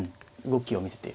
動きを見せて。